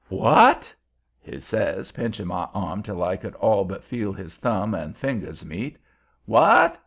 "WHAT?" he says, pinching my arm till I could all but feel his thumb and finger meet. "What?